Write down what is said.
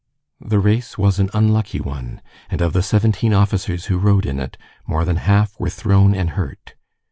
The race was an unlucky one, and of the seventeen officers who rode in it more than half were thrown and hurt.